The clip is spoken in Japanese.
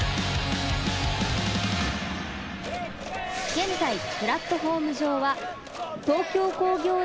現在プラットホーム上は。